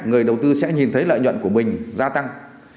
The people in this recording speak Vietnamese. người đầu tư sẽ nhìn thấy lợi nhuận của mình gia tăng